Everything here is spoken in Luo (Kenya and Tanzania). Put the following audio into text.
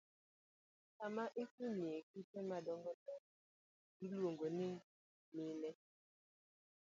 Kama ikunyoe kite madongo dongo iluongo ni mine.